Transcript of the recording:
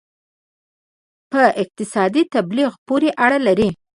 په اقتصادي تبلیغ پورې اړه لري.